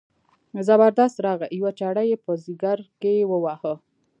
زبردست راغی یوه چاړه یې په ځګر کې وواهه.